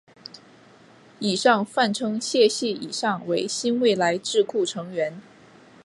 以上泛称谢系以上为新未来智库成员。